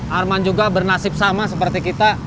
arman juga bernasib sama seperti kita